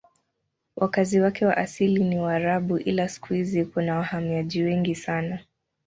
Wakazi wake wa asili ni Waarabu ila siku hizi kuna wahamiaji wengi sana.